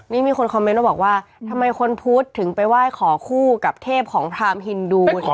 นี่มีคนคอมเมนต์มาบอกว่าทำไมคนพุทธถึงไปไหว้ขอคู่กับเทพของพรามฮินดู